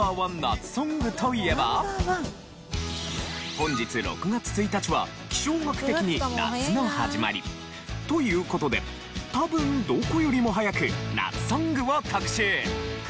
本日６月１日は気象学的に夏の始まり。という事で多分どこよりも早く夏ソングを特集！